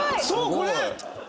そうこれ！